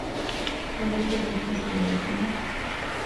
މެނޭޖަރ، ބިޒްނަސް ޑިވެލޮޕްމަންޓް